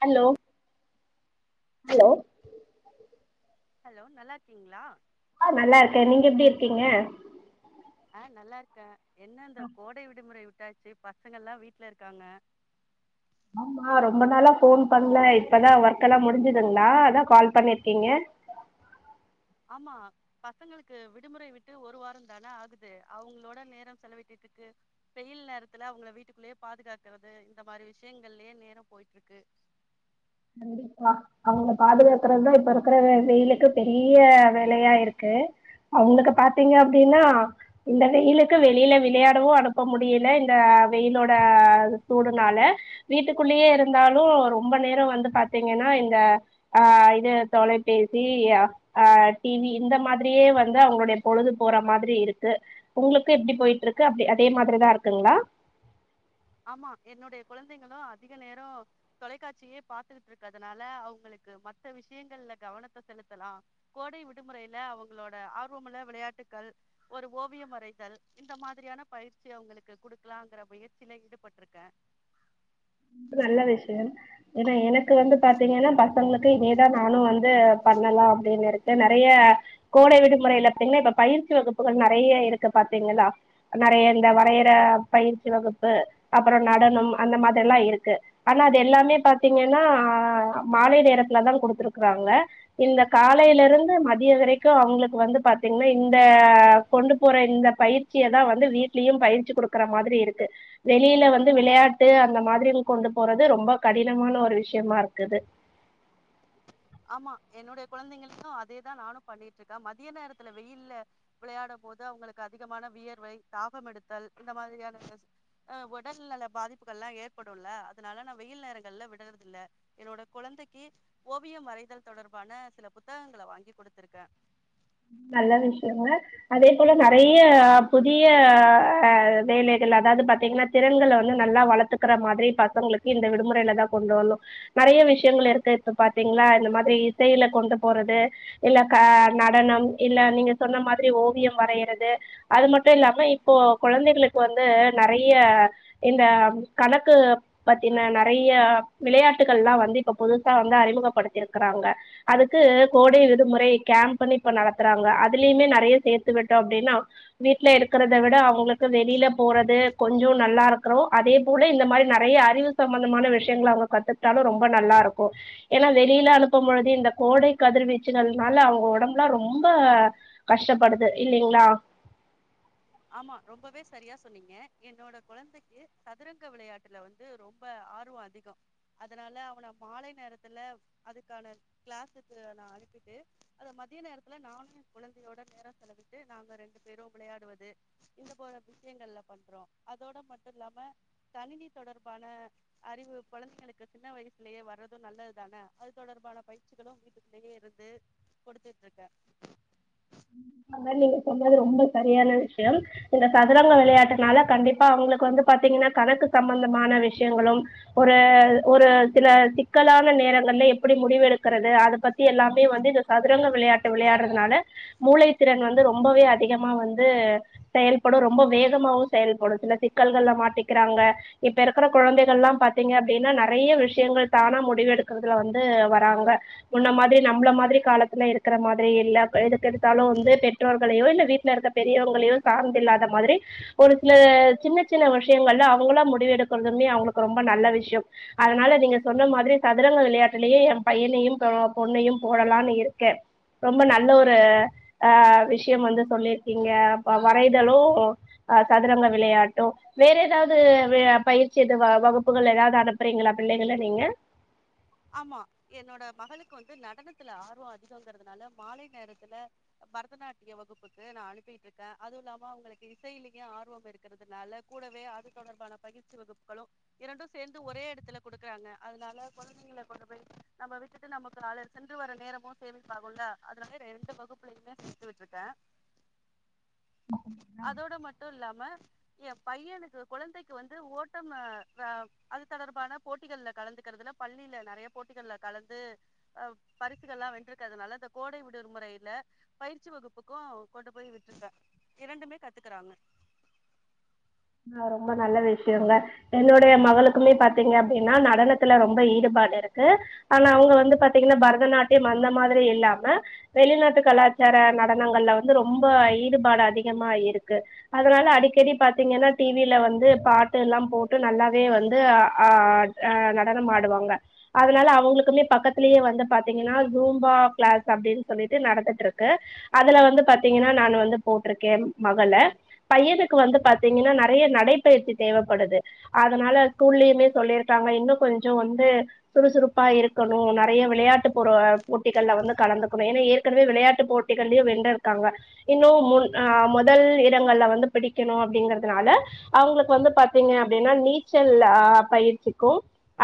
hello hello hello நல்லா இருக்கீங்களா ஆ நல்லா இருக்கேன் நீங்க எப்பிடி இருக்கீங்க ஆ நல்லா இருக்கேன் என்ன இந்த கோடை விடுமுறை விட்டு ட்டாச்சு பசங்கள் எல்லாம் வீட்ல இருக்காங்க ஆமா ரொம்ப நாளா போன் பண்ணல இப்பதான் ஒர்க் எல்லாம் முடிஞ்சுதுங்களா அதான் கால் பண்ணிருக்கீங்க ஆமா பசங்களுக்கு விடுமுறை விட்டு ஒரு வாரம் தானே ஆகுது அவுங்களோட நேரம் செலவிட்டுட்டு இருக்கு வெயில் நேரத்துல அவுங்கள வீட்டுக்குள்ளேயே பாதுகாக்கறது இந்த மாரி விஷயங்கள்லயே நேரம் போயிட்டுருக்கு முடிஞ்சுது மா அவுங்கள பாதுகாக்கறதுதா இப்ப இருக்கிற வெ வெயிலுக்கு பெரிய வேலயா இருக்கு அவுங்களுக்கு பாத்தீங்க அப்டீன்னா இந்த வெயிலுக்கு வெளியில விளையாடவு அனுப்ப முடியல இந்த வெயிலோட சூடுனால வீட்டுக்குள்ளயே இருந்தாலு ரொம்ப நேரம் வந்து பாத் தீங்கன்னா இந்த ஆ இது தொலைபேசி ஆ டி வி இந்த மாதிரியே வந்து அவுங்களுடைய பொழுது போறா மாதிரி இருக்கு உங்களுக்கு எப்டி போய்ட்டிருக்கு அப்டி அதே மாதிரிதா இருக்குங்களா ஆமா என்னுடைய குழந்தைங்களு அதிக நேரோ தொலைக்காட்சியே பாத்துக்கிட்டு இருக்கிறதுனால அவுங்களுக்கு மத்த விஷயங்கள்ல கவனத்த செலுத்தலா கோடை விடுமுறையில அவுங்களோட ஆர்வமுள்ள விளையாட்டுக்கள் ஒரு ஓவியம் வரைதல் இந்த மாதிரியான பயிற்சி அவுங்களுக்கு குடுக்கலாங்கிற முயற்சி சில ஈடுபட்டுருக்கே நல்ல விஷயம் ஏன்னா எனக்கு வந்து பாத்தீங்கன்னா பசங்களுக்கு இதேதா நானு வந்து பண்ணலா அப்டின்னு இருக்கே நெறைய கோடை விடுமுறையில பத்தீங்ன்னா இப்ப பயிற்சி வகுப்புகள் நெறைய இருக்கு பாத்தீங்களா நெறைய இந்த வரையற பயிற்சி வகுப்பு அப்பற நடனம் அந்த மாதிரி எல்லா இருக் க்கு ஆனா அது எல்லாமே பாத்தீங்கன்னா ஆ மாலை நேரத்துல தா குடுத்துருக்கறாங்க இந்த காலையில இருந்து மதிய வரைக்கு அவுங்களுக்கு வந்து பாத்தீங்ன்னா இந்த கொண்டு போற இந்த பயிற்சியதா வந்து வீட்லயும் பயிற்சி குடுக்கற மாதிரி இருக்கு வெளியில வந்து விளையாட்டு அந்த மாதிரி கொண்டு போறது ரொம்ப கடினமான ஒரு விஷயமா இருக்குது ஆமா என்னுடைய குழந்தைங்களுக்கு அதேதா நானு பண்ணிட்டிருக்கே மதிய நேரத்துல வெயில்ல விளையாட போது அவுங்களுக்கு அதிகமான வியர்வை தாகம் எடுத்தல் இந்த மாதிரியான ஸ்டெர்ஸ் ஒடல் நல பாதிப்புகல்லா ஏற்படுல்ல அதனால நா வெயில் நேரங்கள்ல விடறது இல்ல என்னோட குழந்தைக்கு ஓ வியம் வறைதல் தொடர்பான சில புத்தகங்கள வாங்கி குடுத்திருக்கே நல்ல விஷயங்க அதே போல நெறைய புதிய ஆ வேலைகள் அதாவது பாத்தீங்கன்னா திறன்கள வந்து நல்லா வளத்துக்கறா மாதிரி பசங்களுக்கு இந்த விடுமுறையில தா கொண்டு வரனு நெறைய விஷயங்கள் இருக்கு இப்ப பாத்தீங்களா இந்த மாதிரி இசையில கொண்டு போறது இல்ல க நடனம் இல்ல நீங்க சொன்ன மாதிரி ஓவியம் வரையிறது அது மட்டு இல்லாம இப்போ கொழந்தைகளுக்கு வந்து நெறைய இந்த கணக்கு பத்தின நெறைய விளையாட்டுகள்லா வந்து இப்ப புதுசா வந்து அறிமுகப்படுத்திருக்கிறாங்க அதுக்கு கோடை விடுமுறை கேம்ப்ன்னு இப்ப நடத் த்துறாங்க அதுலயுமே நெறைய சேத்து விட்டோ அப்டின்னா வீட்ல இருக்கிறத விட அவுங்களுக்கு வெளியில போறது கொஞ்சோ நல்லா இருக்குறோ அதே போல இந்த மாரி நெறைய அறிவு சம்பந்தமான விஷயங்கள அவுங்க கத்துக்கிட்டாலு ரொம்ப நல்லா இருக்கு ஏன்னா வெளியில அனுப்பும் பொழுது இந்த கோடை கதிர்வீச்சுனால அவுங்க ஒடம்புலா ரொம் ம்ப கஷ்டபடுது இல்லிங்ளா ஆமா ரொம்பவே சரியா சொன்னீங்க என்னோட கொழந்தைக்கு சதுரங்க விளையாட்டுல வந்து ரொம்ப ஆர்வோ அதிக அதனால அவன மாலை நேரத்துல அதுக்கான கிளாஸுக்கு நா அனுப்பிட்டு அத மதிய நேரத்துல நானு என் குழந்தையோட நேரம் செலவிட்டு நாங்க ரெண்டு பேரு விளையாடுவது இந்த போல விஷயங்கள்ல பண்றோ அதோட மட்டு இல்லாம கணினி தொடர்பான அறிவு கொழந்தைங்களுக்கு சின்ன வயசுலேயே வர்றது நல்லதுதானே அது தொடர்பான பயிற்சிகளு வீட்டுக்குள்லேயே இருந்து கொடுத்துகிட்டு இருக்கே அது மாரி நீங்க சொன்னது ரொம்ப சரியான விஷயம் இந்த சதுரங்க விளையாட்டுனால கண்டிப்பா அவங்களுக்கு வந்து பாத்தீங்கன்னா கணக்கு சம்பந்தமான விஷயங்களும் ஒரு ஒரு சில சிக்கலான நேரங்கள்ல எப்படி முடிவு எடுக்கிறது அத பத்தி எல்லாமே வந்து இந்த சதுரங்க விளையாட்டு விளையாடுறதுனால மூளை திறன் வந்து ரொம்பவே அதிகமா வந்து செயல்படு ரொம்ப வேகமாவு செயல்படு சில சிக்கல்கள்ல மாட்டிக்கிறாங்க இப்ப இருக்கிற குழந்தைகள் எல்லா பாத்தீங்க அப்டின்னா நெறைய விஷயங்கள் தானா முடிவு எடுக்கறதுல வந்து வராங்க முன்ன மாதிரி நம்பள மாதிரி காலத்துல இருக்கிற மாதிரி இல்ல எதுக்கெடுத்தாலு வந்து து பெற்றோர்களையோ இல்ல வீட்டுல இருக்க பெரியவங்களையோ சார்ந்து இல்லாத மாதிரி ஒரு சில சின்ன சின்ன விஷயங்கள்ல அவங்களா முடிவு எடுக்கதுமே அவங்களுக்கு ரொம்ப நல்ல விஷயம் அதனால நீங்க சொன்ன மாதிரி சதுரங்க விளையாட்டுலேயே என் பையனையும் பொண்ணையும் போடலான்னு இருக்கே ரொம்ப நல்ல ஒரு ஆ விஷ்யம் வந்து சொல்லியிருக்கீங்க அப்ப வரைதலு அ சதுரங்க விளையாட்டு வேற ஏதாவது வே பயிற்சி எது வகுப்புகள் ஏதாவது அனுப்புறீங்களா பிள்ளைகள நீங்க ஆமா என்னோட மகளுக்கு வந்து நடனத்துல ஆர்வ அதிகங்கிறதுனால மாலை நேரத்துல பரதநாட்டிய வகுப்புக்கு நா அனுப்பிகிட்டு இருக்கே அதுவு இல்லாம அவங்களுக்கு இசையிலேயே ஆர்வம் இருக்கிறதுனால கூடவே அது தொடர்பான பயிற்சி வகுப்புகளு இரண்டும் சேர்ந்து ஒரே இடத்துல குடுக்குறாங்க அதனால கொழந் தைங்கள கொண்டு போய் நம்ம விட்டுட்டு நமக்கு நாலே சென்று வர நேரமு சேமிப்பாகுல்ல அதனால ரெண்டு வகுப்புலயுமே சேத்து விட்ருக்க அதோட மட்டு இல்லாம என் பையனுக்கு கொழந்தைக்கு வந்து ஓட்டம் ஆ ஆ அது தொடர்பான போட்டிகள்ள கலந்துக்கிறதுல பள்ளில நெறைய போட்டிகள்ல கலந்து அ பரிசுகள்ளா வென்றிருக்கிறதுனால இந்த கோடை விடுமுறையில பயிற்சி வகுப்புக்கு கொண்டு போய் விட்டுருக்க இரண்டுமே கத்துக்குறாங்க ஆ ரொம்ப நல்ல விஷயங்க என்னுடைய மகளுக்குமே பாத்தீங்க அப்டின்னா நடனத்துல ரொம்ப ஈடுபாடு இருக்கு ஆனா அவங்க வந்து பாத்தீங்கன்னா பரதநாட்டியம் அந்த மாதிரி இல்லாம வெளிநாட்டு கலாச்சார நடனங்கள்ல வந்து ரொம்ப ஈடுபாடு அதிகமா இருக்கு அதனால அடிக்கடி பாத்தீங்கன்னா டி வில வந்து பாட்டுல்லா போட்டு நல்லாவே வந்து அ ஆ ஹ நடனம் ஆடுவாங்க அதனால அவங்களுக்குமே பக்கத்திலேயே வந்து பாத்தீங்கன்னா ஜூம்பா கிளாஸ் அப்டின்னு சொல்லிட்டு நடந்துட்டு இருக்கு அதுல வந்து பாத்தீங்கன்னா நானு வந்து போட்டிருக்கே மகள பையனுக்கு வந்து பாத்தீங்கன்னா நா நறைய நடைபயிற்சி தேவப்படுது அதனால ஸ்கூல்லயுமே சொல்லிருக்காங்க இன்னு கொஞ்சோ வந்து சுறுசுறுப்பா இருக்கணு நறைய விளையாட்டு புரு அ போட்டிகள் வந்து கலந்துக்கணு ஏன்னா ஏற்கனவே விளையாட்டு போட்டிகள்லயு வென்றிருக்காங்க இன்னு முன் அ மொதல் இடங்கள்ல வந்து பிடிக்கணு அப்டிங்கிறதுனால அவுங்களுக்கு வந்து பாத்தீங்க அப்டின்னா நீச்சல் ஆஹ் பயிற்சிக்கு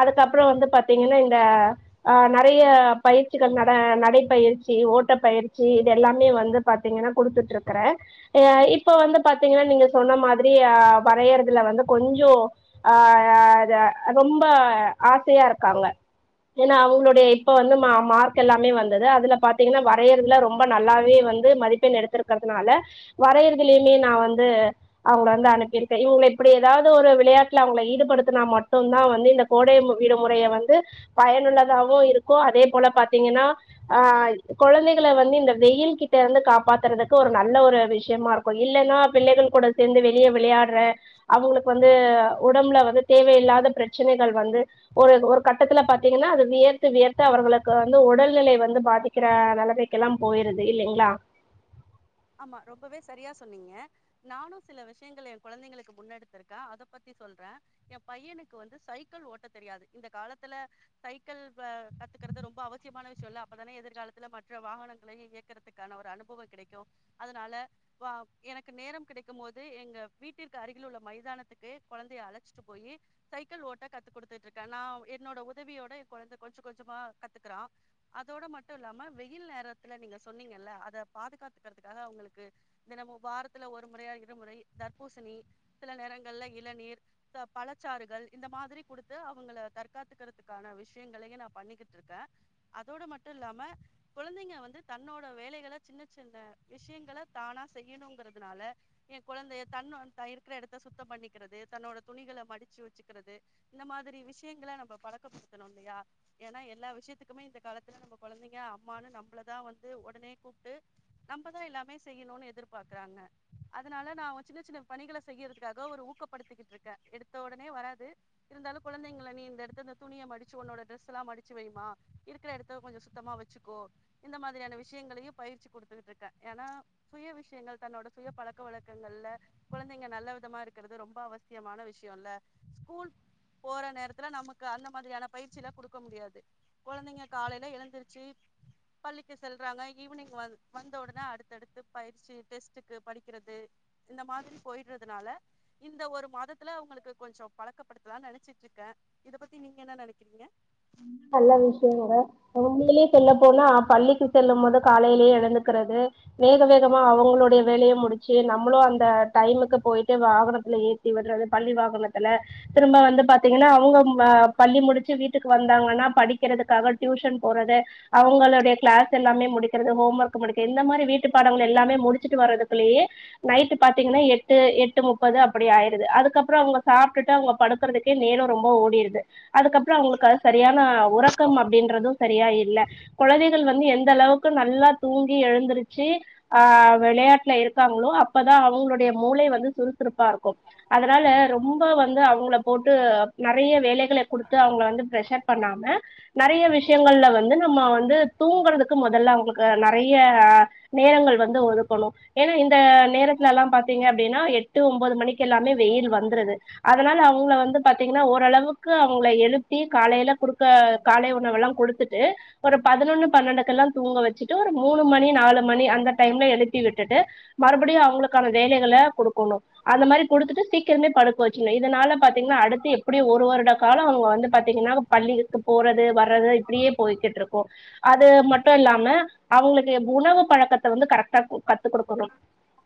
அதுக்கப்புறோ வந்து பாத்தீங்கன்னா இந்த ஆஹ் நறைய பயிற்சிகள் நட நடைப்பயிற்சி ஓட்ட பயிற்சி இது எல்லாமே வந்து பாத்தீங்கன்னா குடுத்துட்டு இருக்கறே அஹ் இப்ப வந்து பாத்தீங்கன்னா நீங்க சொன்ன மாதிரி அ வரையர்துல வந்து கொஞ்சோ ஆஹ் அ அ ரொம்ப ஆசையா இருக்காங்க ஏன்னா அவுங்களுடைய இப்ப வந்து மார்க் எல்லாமே வந்தது அதுல பாத்தீங்கன்னா வரையறதுல ரொம்ப நல்லாவே வந்து மதிப்பெண் எடுத்திருக்கறதுனால வரையறிதிலிலே நா வந்து அவுங்க வந்து அனுப்பிரு செய்வோமே இப்புடி ஏதாவது ஒரு விளையாட்டுல அவுங்கள ஈடுபடுத்தினா மட்டுந்தா வந்து இந்த கோடை விடுமுறைய வந்து பயனுள்ளதாவு இருக்கு அதே போல பாத்தீங்கன்னா அஹ் கொழந்தைகள வந்து இந்த வெயில் கிட்ட இருந்து காப்பாத்துறதுக்கு ஒரு நல்ல ஒரு விஷயமாருக்கு இல்லன்னா பிள்ளைகள் கூட சேந்து வெளியே விளையாட் டற அவுங்களுக்கு வந்து உடம்புல வந்து தேவையில்லாத பிரச்சனைகள் வந்து ஒரு ஒரு கட்டத்துல பாத்தீங்கன்னா அது வியர்த்து வியர்த்து அவுர்களுக்கு வந்து உடல்நிலை வந்து பாதிக்கிற நெலமைக்கெல்லா போயிருது இல்லைங்களா ஆமா ரொம்பவே சரியா சொன்னீங்க நானு சில விஷயங்கள் என் குழந்தைங்களுக்கு முன்னெடுத்திருக்க அதப்பத்தி சொல்றே என் பையனுக்கு வந்து சைக்கிள் ஓட்ட தெரியாது இந்த காலத்துல சைக்கிள் ப கத்துக்கறது ரொம்ப அவசியமான விஷயமில்ல அப்பதானே எதிர்காலத்துல மற்ற வாகனங்களையு இயக்குறதுக்கான ஒரு அனுபவ கிடைக்கு அதனால வ எனக்கு நேரோ கிடைக்கும்போது எங்க வீட்டிற்கு அருகில் உள்ள மைதானத்துக்கு கொழந்தைய அழைச்சிட்டு போயி சைக்கிள் ஓட்ட கத்து குடுத்துகிட்டு இருக்கே நா என்னோட உதவியோட என் கொழந்த கொஞ்ச கொஞ்சமா கத்துக்கிறா அதோட மட்டு இல்லாம வெயில் நேரத்துல நீங்க சொன்னீங்கல்ல அத பாதுகாத்து த்துகறதுகாக அவுங்களுக்கு தினமு வாரத்துல ஒரு முறையா இருமுறை தர்பூசணி சில நேரங்கள்ல இளநீர் ச பழச்சாறுகள் இந்த மாதிரி குடுத்து அவங்கள தற்காத்துக்கிறதுக்கான விஷயங்களையே நா பண்ணிக்கிட்டிருக்கே அதோட மட்டு இல்லாம குழந்தைங்க வந்து தன்னோட வேலைகள சின்ன இந்த விஷயங்கல தானா செய்யணுங்கிறதுனால ஏ கொழந்தைய தன்னோ தா இருக்கிற இடத்த சுத்தம் பண்ணிக்கிறது தன்னோட துணிகள மடிச்சி வெச்சிகிறது இந்த மாதிரி விஷயங்கள நம்ம பழக்கப்படுத்தணு இல்லையா ஏன்னா எல்லா விஷயத்துக்குமே இந்த காலத்துல நம்ம கொழந்தைங்க அம்மான்னு நம்மள தா வந்து உடனே கூப்ட்டு நம்பதா எல்லாமே செய்யணுன்னு எதிர்பார்க்கறாங்க அதனால நா அவங்க சின்ன சின்ன பணிகள செய்யறதுக்காக ஒரு ஊக்கப்படுத்திகிட்டு இருக்கே எடுத்த உடனே வராது இருந்தாலு குழந்தைங்கள நீ இந்த எடத்து இந்த துணிய மடிச்சு உன்னோட டிரெஸ் எல்லா மடிச்சி வைமா இருக்கிற இடத்த கொஞ்சோ சுத்தமா வச்சுக்கோ இந்த மாதிரியான விஷயங்களையு பயிற்சி குடுத்துகிட்டு இருக்கே ஏன்னா சுய விஷயங்கள் தன்னோட சுய பழக்க வழக்கங்கள்ல குழந்தைங்க நல்ல விதமா இருக்கிறது ரொம்ப அவசியமான விஷயம்ல்ல ஸ்கூல் போற நேரத்துல நமக்கு அந்த மாதிரியான பயிற்சி எல்லா குடுக்க முடியாது குழந்தைங்க காலையில எழுந்திருச்சு பள்ளிக்கு செல்றாங்க ஈவினிங் வந் வந்த உடனே அடுத்தடுத்து பயிற்சி டெஸ்டுக்கு படிக்கிறது இந்த மாதிரி போயிடுறதுனால இந்த ஒரு மாதத்துல அவங்களுக்கு கொஞ்சோ பழக்கப்படுத்தலாம்னு நெனச்சிட்டு இருக்கே இத பத்தி நீங்க என்ன நெனைக்கிறீங்க நல்ல விஷயங்க உண்மையிலயே செல்லப்போனா பள்ளிக்கு செல்லும் போது காலையிலயே எழுந்துக்கிறது வேக வேகமா அவுங்களுடைய வேலைய முடிச்சி நம்மளு அந்த டைமுக்கு போய்ட்டு வாகனத்துல ஏத்திவிடறது பள்ளி வாகனத்துல திரும்ப வந்து பாத்தீங்கன்னா அவங்க பள்ளி முடிச்சு வீட் ட்டுக்கு வந்தாங்கன்னா படிக்கிறதுக்காக டியூஷன் போறது அவுங்களுடைய கிளாஸ் எல்லாமே முடிக்கிறது ஹோம் வர்க் முடிக்க இந்த மாரி வீட்டு பாடங்கள் எல்லாமே முடிச்சிட்டு வர்ரதுகுள்ளேயே நைட்டு பாத்தீங்கன்னா எட்டு எட்டு முப்பது அப்படி ஆயறது அதுக்கப்புற அவுங்க சாப்டுட்டு அவுங்க படுக்கறதுக்கே நேர ரொம்ப ஓடிருது அதுக்கப்ற அவுங்களுக்கு க சரியான உறக்கம் அப்படின்றது சரியா இல்ல கொழந்தைகள் வந்து எந்த அளவுக்கு நல்லா தூங்கி எழுந்திருச்சி ஆ விளையாட்டுல இருக் காங்லோ அப்பதா அவுங்களுடைய மூளை வந்து சுறுசுறுப்பா இருக்கு அதனால ரொம்ப வந்து அவுங்கள போட்டு நறைய வேலைகளை குடுத்து அவுங்கள வந்து ப்ரஷர் பண்ணாம நறைய விஷயங்கள்ல வந்து நம்ம நம்ம வந்து தூங்கறதுக்கு முதல்ல அவுங்களுக்கு நறைய நேரங்கள் வந்து ஒதுக்கணு ஏன்னா இந்த நேரத்துல எல்லா பாத்தீங்க அப்டினா எட்டு ஒம்பது மணிக்கு எல்லாமே வெயில் வந்தருது அதனால அவுணங்கள வந்து பாத்தீங்கன்னா ஓரளவுக்கு அவுங்கள எழுப் பி காலையில குடு க காலை உணவெல்லா குடுத்துட்டு ஒரு பதினொன்னு பன்னெண்டுக்கெல்லா தூங்க வச்சுட்டு ஒரு மூணு மணி நாலு மணி அந்த டைம்ல எழுப்பி விட்டுட்டு மறுபடியு அவுங்களுக்கான வேலைகள குடுக்கணு அந்த மாரி குடுத்துட்டு சீக்கிரமே படு போச்சின இதனால பாத்தீங்கன்னா அடுத்து எப்டியு ஒரு வருட காலம் அவுங்க வந்து பாத் ங்னா பள்ளிக்கு போறது வரது இப்புடியே போய்கிட்டிருக்கு அது மட்டு இல்லாம அவுங்களுக்கு உணவு பழக்கத்த வந்து கரெக்டா கத்துக்குடுக்கணு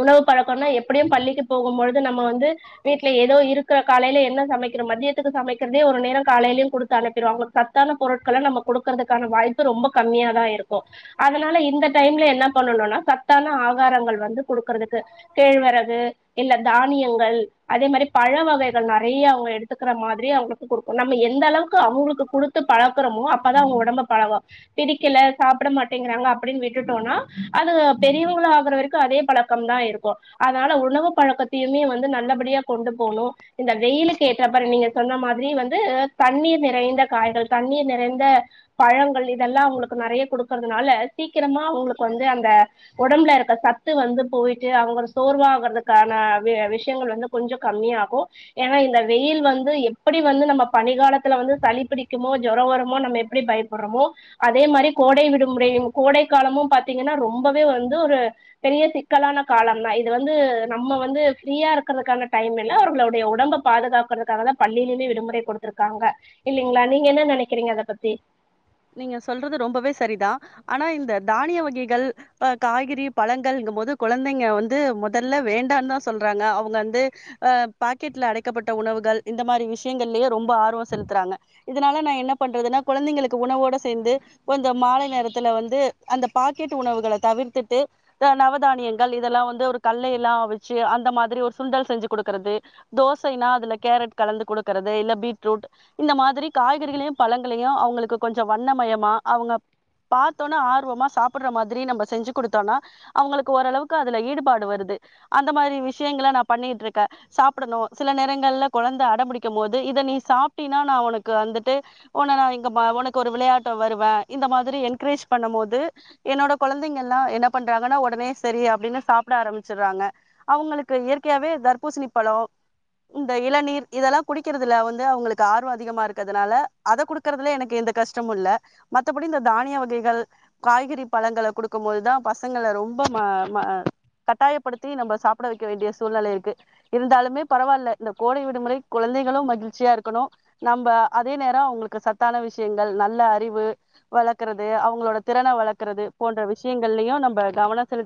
உணவு பழக்கோன்னா எப்புடியு பள்ளிக்கு போகும்பொழுது நம்ம வந்து வீட்டுல ஏதோ இருக்குற காலையில என்ன சமைக்கிறோ மத்யதுக்கு சமைக்கிறதே ஒரு நேரே காலையிலேயு குடுத்து அனுப்பிருவா அவங்களுக்கு சத்தான பொருட்கள நம்ம குடுக்கிறதுக்கான வாய்ப்பு ரொம்ப கம்மியா தா இருக்கு அதனால இந்த டைம்ல என்ன பண்ணணுன்னா சத்தான ஆ ஆகாரங்கள் வந்து குடுக்கறதுக்கு கேழ்வரகு இல்ல தானியங்கள் அதே மாரி பழ வகைகள் நறயா அவுங்க எடுத்துக்கற மாதிரி அவுங்களுக்கு குடுக்கணு நம்ம எந்த கு அவுங்களுக்கு குடுத்து பழக்கறோமோ அப்பதா அவுங்க ஒடம்ப பழவு பிடிக்கல சாப்புட மாட்டேங்கிறாங்க அப்டின்னு விட்டுட்டோம்னா அது பெரியவங்கள ஆகுறவரிக்கு அதே பலக்க தா இருக்கு அதனால உணவு பழக்கத்தையுமே வந்து நல்லபடியா கொண்டு போணு இந்த வெயிலுக்கு ஏற்றப்பற நீங்க சொன்ன மாதிரி வந்து தண்ணீர் நிறைந்த காய்கள் தண்ணீர் நிறைந்த பழங்கள் இதெல்லா அவுங்களுக்கு நறையா குடுக்கறதுனால சீக்கிரமா அவுங்களுக்கு வந்து அந்த ஒடம்புல இருக்க சத்து வந்து போயிட்டு அவுங்க சோர்வாகறதுக்கான வெ விஷியங்கள் வந்து கொஞ்சோ கம்மியாகு ஏனா இந்த வெயில் வந்து எப்புடி வந்து நம்ம பணிகால த்துல வந்து சளி பிடிக்குமோ ஜொரோ வருமோ நம்ம எப்டி பயப்படுறோமோ அதே மாரி கோடை விடுமுறையும் கோடை காலமும் பாத்தீங்கன்னா ரொம்பவே வந்து ஒரு பெரிய சிக்கலான காலந்தா இது வந்து நம்ம வந்து ஃப்ரீயா இருக்கிறதுக்கான டைமில்ல அவர்களுடைய ஒடம்ப பாதுகாக்கறதுக்காகதா பள்ளியிலயுமே விடுமுறை குடுத்துருக்காங்க இல்லைங்களா நீங்க என்ன நெனக்கிறீங்க அத பத்தி நீங்க சொல்றது ரொம்பவே சரிதா ஆனா இந்த தானிய வகைகள் ஆஹ் காய்கறி பலங்கள் இங்கும்போது கொழந்தைங்க வந்து மொதல்ல வேண்டான்னு தா சொல்றாங்க அவுங்க வந்து ஆஹ் பாக்கெட்ல அடைக்கப்பட்ட உணவுகள் இந்த மாதிர விஷியங்கள்லயே ரொம்ப ஆர்வம் செலுத்துறாங்க கதனால நா என்ன பண்றதுன்ன கொழந்தைங்களுக் கு உணவோட சேந்து கொஞ்சோ மாலை நேரத்துல வந்து அந்த பாக்கெட்டு உணவுகள தவுர்த்துட்டு நவதானியங்கள் இதெல்லா வந்து ஒரு கல்லையெல்லா வெச்சு அந்த மாதிரி ஒரு சுண்டல் செஞ்சு குடுக்கறது தோசைன்னா அதுல கேரட் கலந்து கொடுக்கறது இல்ல பீட்ரூட் இந்த மாதிரி காய்கறிகளையு பலங்களையு அவுங்களுக்கு கொஞ்சம் வண்ணமயமா அவுங்க பாத்தொன்ன ஆர்வமா சாப்புடற மாதிரி நம்ம செஞ்சு குடுத்தோன்னா அவுங்களுக்கு ஓரளவுக்கு அதுல ஈடுபாடு வருது அந்த மாரி விஷியங்கள நா பண்ணிட்டு இருக்கே சாப்டணு சில நேரங்கள்ல கொழந்த அட பிடிக்கும் போது இத நீ சாப்ட்டினா நா ஒனக்கு வந்துட்டு ஒன்ன நா இங்க பா உனக்கு ஒரு விளையாட்ட வருவ இந்த மாதிரி என்கரேஜ் பண்ணும் மோது என்னோட கொலந்தைங்கலா என்ன பண்றாங்கன்னா ஒடனே சரி அப்டின்னு சாப்புட ஆரம்பிச்சிடுறாங்க அவாங்களுக்கு இயற்கையாவே தர்பூசிணி பழோ இந்த இளநீர் இதெல்லா குடிக்கிறதுல வந்து அவுங்களுக்கு ஆர்வோ அதிகமா இருக்கதுனால அத குடுக்கறதுலே எனக்கு எந்த கஷ்டமும் இல்ல மத்தபடி இந்த தானிய வகைகள் காய்கறி பழங்கள குடுக்கும் போதுதா பசங்கள ரொம்ப மா மா கட்டாயப்படுத்தி நம்ப சாப்புட வைக்க வேண்டிய சூல்நெல இருக்கு இருந்தாலுமே பரவாயல்ல இந்த கோடை விடுமுறை குலந்தைகளு மகிழ்ச்சியா இருக்கணு நம்ப அதே நேரம் அவங்களுக்கு சத்தான விஷி ஷியங்கள் நல்ல அறிவு வளக்கறது அவாங்களோட திறன வளக்கறது போன்ற விஷியங்கலையு நம்ப கவன செலுத்த